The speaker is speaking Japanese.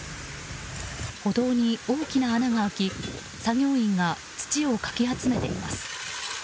歩道に大きな穴が開き作業員が土をかき集めています。